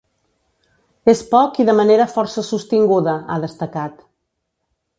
“És poc i de manera força sostinguda”, ha destacat.